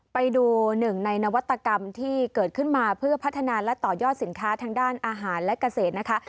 ไปดูหนึ่งในนวัตกรรมที่เกิดขึ้นมาเพื่อพัฒนาและต่อยอดสินค้าทางด้านอาหารและเกษตรนะคะ